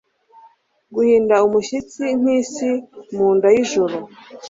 Guhinda umushyitsi nkisi mu nda yijoro